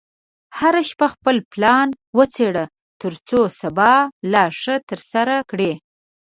هره شپه خپل پلان وڅېړه، ترڅو سبا لا ښه ترسره کړې.